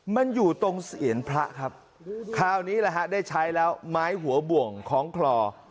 มันอยู่ตรงเสียนพระครับคราวนี้แหละฮะได้ใช้แล้วไม้หัวบ่วงคล้องคลอ